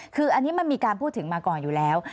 คืออันนี้มันมีการพูดถึงมาก่อนอยู่แล้ว